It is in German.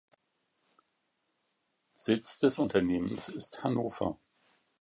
Sitz des Unternehmens ist Hannover.